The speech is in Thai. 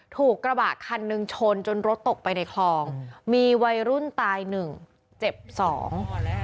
ถูกกระบะคันหนึ่งชนจนรถตกไปในคลองมีวัยรุ่นตายหนึ่งเจ็บสอง